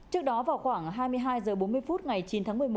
trước đó vào khoảng hai mươi hai h bốn mươi phút ngày chín tháng một mươi một